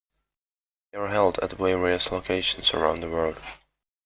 They are held at various locations around the world.